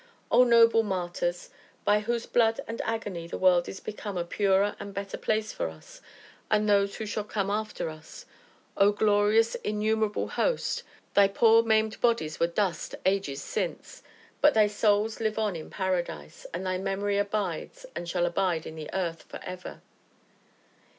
Oh, noble martyrs! by whose blood and agony the world is become a purer and better place for us, and those who shall come after us Oh glorious, innumerable host! thy poor, maimed bodies were dust ages since, but thy souls live on in paradise, and thy memory abides, and shall abide in the earth, forever.